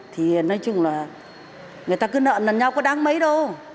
thì nói chung là người ta cứ nợ lần nhau có đáng mấy đâu